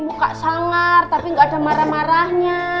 muka sangar tapi gak ada marah marahnya